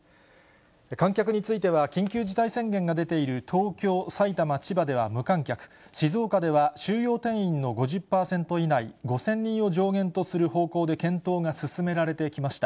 観客については緊急事態宣言が出ている東京、埼玉、千葉では無観客、静岡では収容定員の５０％以内、５０００人を上限とする方向で、検討が進められてきました。